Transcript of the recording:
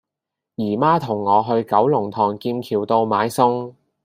姨媽同我去九龍塘劍橋道買餸